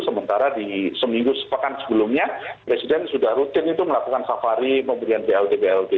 sementara di seminggu sepekan sebelumnya presiden sudah rutin itu melakukan safari pemberian blt blt